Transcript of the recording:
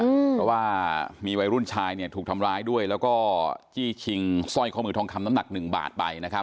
เพราะว่ามีวัยรุ่นชายเนี่ยถูกทำร้ายด้วยแล้วก็จี้ชิงสร้อยข้อมือทองคำน้ำหนัก๑บาทไปนะครับ